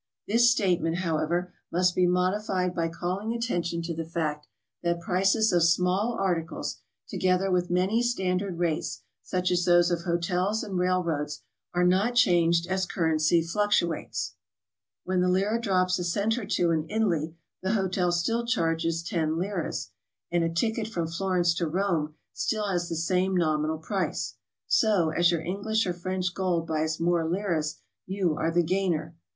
This statement, how ever, must be modified by calling attention to the fact that prices of small articles, together with many standard rates, such as those of hotels and railroads, are not changed as currency fluctuates: when the lira drops a cent or two in Italy, the hotel still charges 10 liras, and a ticket from Flor ence to Rome still has the same nominal price; so as your English or French gold buys more liras, you are the gainer.